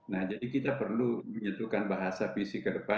nah jadi kita perlu menyentuhkan bahasa fisik ke depan